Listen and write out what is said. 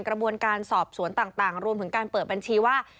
กระบวนการสอบสวนต่างรวมถึงการเปิดบัญชีว่า